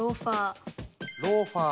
ローファー。